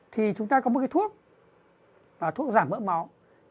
thì chúng ta có một cái thuốc giảm mỡ máu